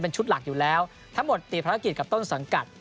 ชุดหลักอยู่แล้วทั้งหมดติดภารกิจกับต้นสังกัด